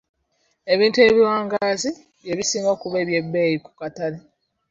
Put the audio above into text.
Ebintu ebiwangaazi bye bisinga okuba eby'ebbeeyi ku katale.